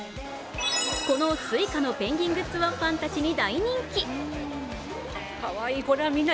このＳｕｉｃａのペンギングッズはファンたちに大人気。